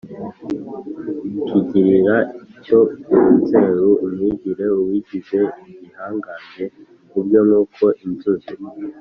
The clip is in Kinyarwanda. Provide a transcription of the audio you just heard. kigirira cyo mu nzeru: umwigire, uwigize igihangange ubwe nk’uko inzuzi,